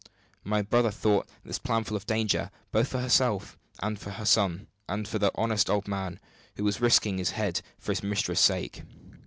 My brother thought this plan full of danger, both for herself, for her son, and for the honest old man who was risking his head for his mistress's sake.